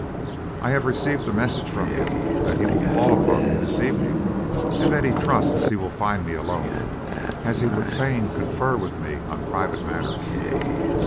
I have received a message from him that he will call upon me this evening, and that he trusts he will find me alone, as he would fain confer with me on private matters.